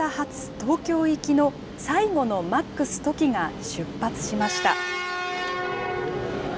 東京行きの最後のＭａｘときが出発しました。